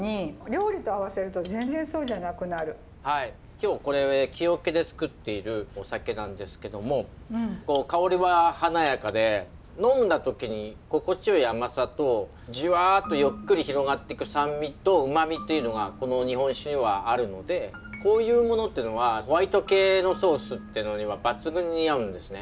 今日これ木桶で造っているお酒なんですけども香りは華やかで呑んだ時に心地よい甘さとじわっとゆっくり広がってく酸味とうまみっていうのがこの日本酒にはあるのでこういうものっていうのはホワイト系のソースってのには抜群に合うんですね。